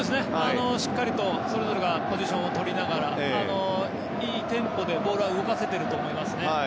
しっかりそれぞれがポジションを取りながらいいテンポでボールを動かせていると思います。